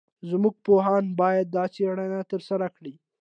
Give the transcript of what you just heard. زموږ پوهان باید دا څېړنه ترسره کړي.